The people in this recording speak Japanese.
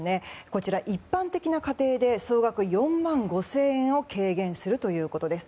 こちら、一般的な家庭で総額４万５０００円を軽減するということです。